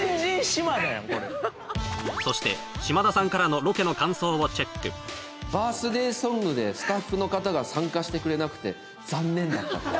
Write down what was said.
そして、嶋田さんからのロケバースデーソングでスタッフの方が参加してくれなくて、残念だった。